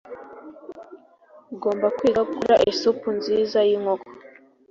Ugomba kwiga gukora isupu nziza yinkoko.